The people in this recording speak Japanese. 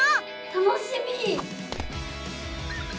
楽しみ！